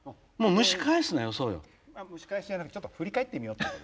蒸し返しじゃなくちょっと振り返ってみようという。